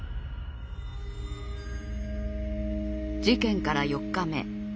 事件から４日目。